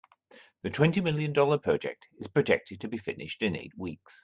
The twenty million dollar project is projected to be finished in eight weeks.